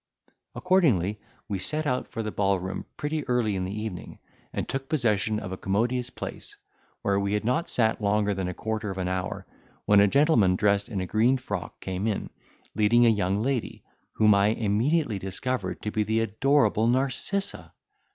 Accordingly, we set out for the ball room pretty early in the evening, and took possession of a commodious place, where we had not sat longer than a quarter of an hour, when a gentleman, dressed in a green frock, came in, leading a young lady, whom I immediately discovered to be the adorable Narcissa!